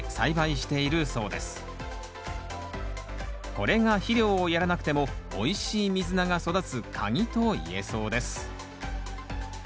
これが肥料をやらなくてもおいしいミズナが育つ鍵と言えそうです